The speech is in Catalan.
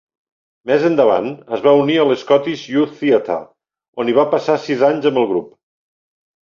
Més endavant, es va unir a l'Scottish Youth Theatre, on hi va passar sis anys amb el grup.